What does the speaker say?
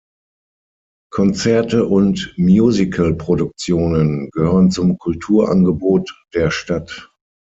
Konzerte und Musicalproduktionen gehören zum Kulturangebot der Stadt.